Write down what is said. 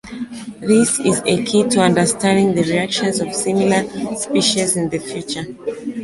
This is a key to understanding the reactions of similar species in the future.